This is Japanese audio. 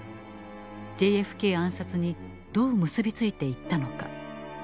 ＪＦＫ暗殺にどう結び付いていったのか。